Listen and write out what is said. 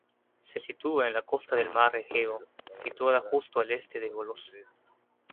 Se sitúa en la costa del mar Egeo situada justo al este de Volos.